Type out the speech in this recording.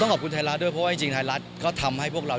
ขอบคุณไทยรัฐด้วยเพราะว่าจริงไทยรัฐก็ทำให้พวกเรา